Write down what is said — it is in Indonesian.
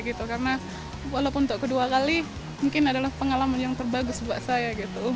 karena walaupun untuk kedua kali mungkin adalah pengalaman yang terbagus buat saya